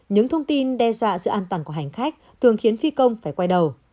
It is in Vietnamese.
những thông tin đe dọa sự an toàn của hành khách thường khiến phi công phải quay đầu